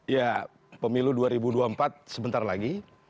ya pemilu dua ribu dua puluh empat sebentar lagi